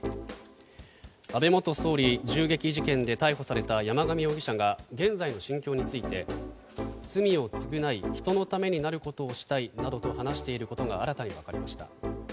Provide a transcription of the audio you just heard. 安倍元総理銃撃事件で逮捕された山上容疑者が現在の心境について罪を償い人のためになることをしたいなどと話していることが新たにわかりました。